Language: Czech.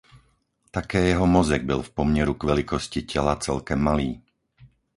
Také jeho mozek byl v poměru k velikosti těla celkem malý.